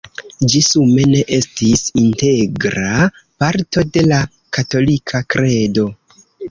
Ĝi sume ne estis "integra parto de la katolika kredo".